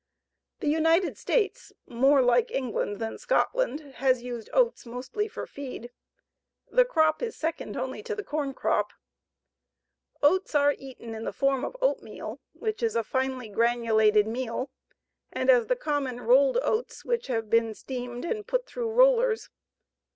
The United States, more like England than Scotland, has used oats mostly for feed. The crop is second only to the corn crop. Oats are eaten in the form of oatmeal, which is a finely granulated meal, and as the common rolled oats which have been steamed and put through rollers.